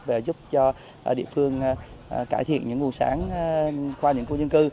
về giúp cho địa phương cải thiện những nguồn sáng qua những khu dân cư